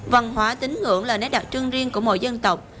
văn hóa tính ngưỡng là nét đặc trưng riêng của mỗi dân tộc